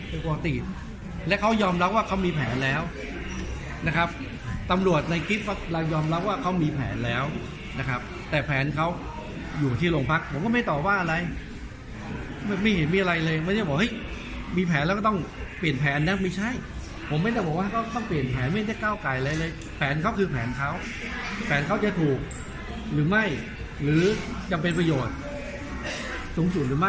เป็นปกติและเขายอมรับว่าเขามีแผนแล้วนะครับตำรวจในคลิปเรายอมรับว่าเขามีแผนแล้วนะครับแต่แผนเขาอยู่ที่โรงพักผมก็ไม่ตอบว่าอะไรไม่เห็นมีอะไรเลยไม่ได้บอกเฮ้ยมีแผนแล้วก็ต้องเปลี่ยนแผนนะไม่ใช่ผมไม่ได้บอกว่าเขาต้องเปลี่ยนแผนไม่ได้ก้าวไก่อะไรเลยแผนเขาคือแผนเขาแผนเขาจะถูกหรือไม่หรือจะเป็นประโยชน์สูงสุดหรือไม่